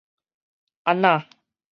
按那